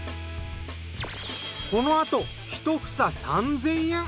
このあと一房３，０００円。